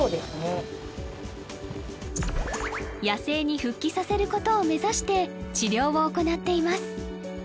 野生に復帰させることを目指して治療を行っています